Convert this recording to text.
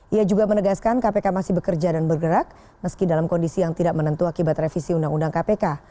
ia juga menegaskan kpk masih bekerja dan bergerak meski dalam kondisi yang tidak menentu akibat revisi undang undang kpk